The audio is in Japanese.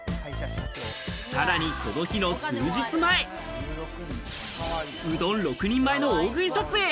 さらにこの日の数日前、うどん６人前の大食い撮影。